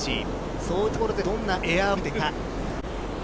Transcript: そういったところでどんなエアを見せてくるか。